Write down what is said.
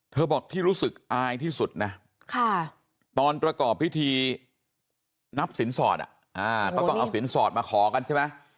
บอกที่รู้สึกอายที่สุดนะตอนประกอบพิธีนับสินสอดเขาต้องเอาสินสอดมาขอกันใช่ไหม